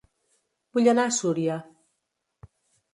Vull anar a Súria